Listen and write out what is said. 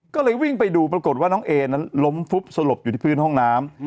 ก็เลยวิ่งไปดูปรากฏว่าน้องเอนั้นล้มฟุบสลบอยู่ที่พื้นห้องน้ำ